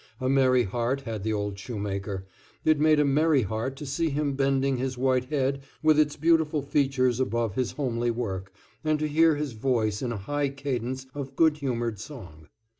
A merry heart had the old shoemaker; it made a merry heart to see him bending his white head with its beautiful features above his homely work, and to hear his voice in a high cadence of good humored song.